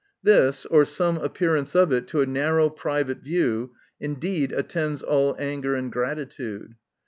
— This, or some appearance of it to a narrow private view, indeed attends all anger and gratitude.